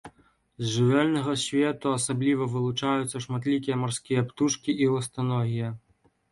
З жывёльнага свету асабліва вылучаюцца шматлікія марскія птушкі і ластаногія.